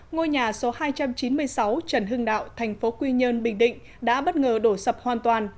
ngôi nhà số hai trăm chín mươi sáu trần hưng đạo thành phố quy nhơn bình định đã bất ngờ đổ sập hoàn toàn